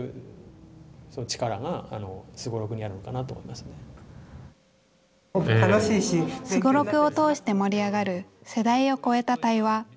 すごろくを通して盛り上がる世代を超えた対話。